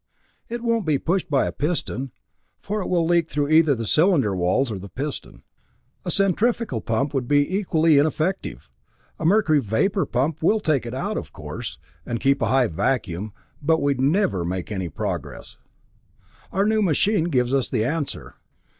It won't be pushed by a piston, for it will leak through either the cylinder walls or the piston. A centrifugal pump would be equally ineffective. A mercury vapor pump will take it out, of course, and keep a high vacuum, but we'd never make any progress. "Our new machine gives us the answer.